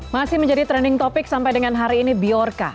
masih menjadi trending topic sampai dengan hari ini biorca